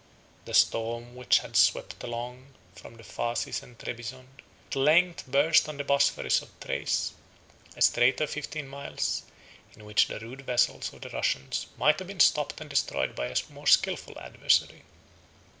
The storm which had swept along from the Phasis and Trebizond, at length burst on the Bosphorus of Thrace; a strait of fifteen miles, in which the rude vessels of the Russians might have been stopped and destroyed by a more skilful adversary.